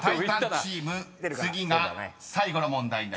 チーム次が最後の問題になります］